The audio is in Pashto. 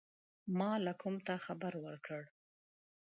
مالکم ته خبر ورکړ.